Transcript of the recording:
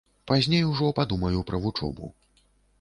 Пазней ужо падумаю пра вучобу.